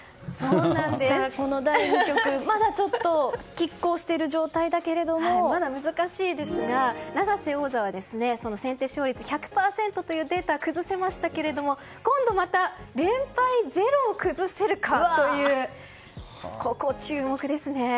じゃあ、この第２局まだちょっと拮抗しているまだ難しいですが、永瀬王座は先手勝率１００％というデータは崩せましたが今度また連敗０を崩せるかというここ、注目ですね。